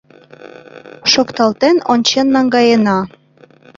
Шокталтен ончен наҥгаена.